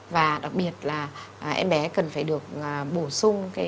và đặc biệt là em bé cần phải được bổ sung